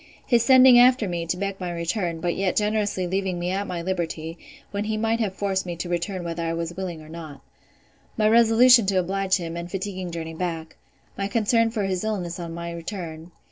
His sending after me, to beg my return; but yet generously leaving me at my liberty, when he might have forced me to return whether I was willing or not. My resolution to oblige him, and fatiguing journey back. My concern for his illness on my return.